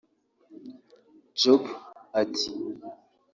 Job ati